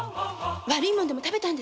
悪いものでも食べたの！？